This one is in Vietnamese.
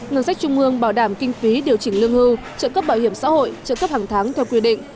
ngân sách trung ương bảo đảm kinh phí điều chỉnh lương hưu trợ cấp bảo hiểm xã hội trợ cấp hàng tháng theo quy định